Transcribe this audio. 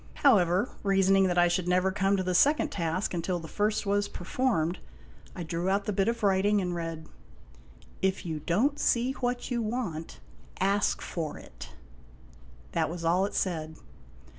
However, reasoning that I should never come to the second task until the first was performed, I drew out the bit of writing and read :" IF YOU DON'T SEE WHAT YOU WANT, ASK FOR IT." That was all it said.